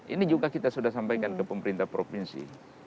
ini juga kita sudah sampaikan ke pemerintah provinsi